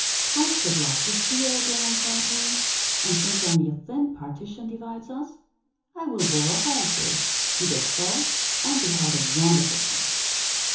"I should like to see her again," thought he; "and since only a thin partition divides us, I will bore a hole through." He did so, and beheld a wonderful sight.